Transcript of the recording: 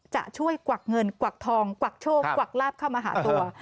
จะช่วยกวักเงินกวักทองกวักโชคกวักลาบเข้ามาหาตัว